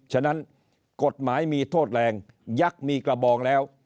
ฉะนั้นกฎหมายมีโทษแรงยักษ์มีกระบองแล้ว